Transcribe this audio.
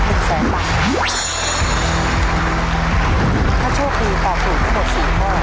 ถ้าโชคดีตอบถูกก็ตก๔ข้อ